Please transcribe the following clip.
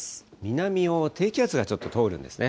南を低気圧がちょっと通るんですね。